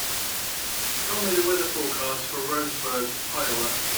Tell me the weather forecast for Roseburg, Iowa